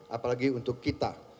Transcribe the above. apalagi untuk kita